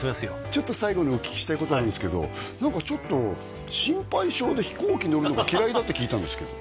ちょっと最後にお聞きしたいことあるんですけど何かちょっと心配性で飛行機乗るのが嫌いだって聞いたんですけど